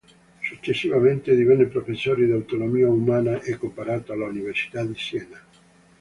Successivamente divenne professore di Anatomia umana e comparata all'Università di Siena.